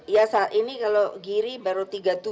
ya saat ini kalau giri baru tiga puluh tujuh